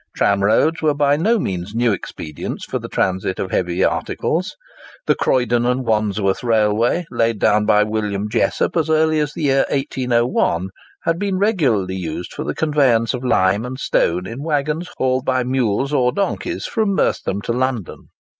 Tramroads were by no means new expedients for the transit of heavy articles. The Croydon and Wandsworth Railway, laid down by William Jessop as early as the year 1801, had been regularly used for the conveyance of lime and stone in waggons hauled by mules or donkeys from Merstham to London.